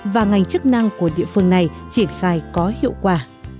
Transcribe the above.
và ngành chức năng của địa phương này triển khai có hiệu quả